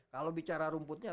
kalau bicara rumputnya